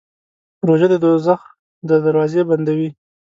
روژه د دوزخ دروازې بندوي.